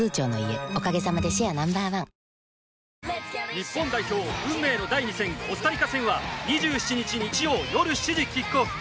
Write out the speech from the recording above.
日本代表運命の第２戦コスタリカ戦は２７日日曜夜７時キックオフ。